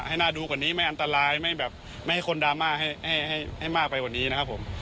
ให้น่าดูกว่านี้ไม่อันตรายไม่แบบไม่ให้คนดราม่าให้มากไปกว่านี้นะครับผม